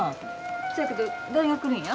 そやけど誰が来るんや？